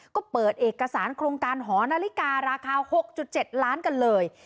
ก็เปิดเอกสารโครงการหอนาฬิการาคา๖๗ล้านกันเลย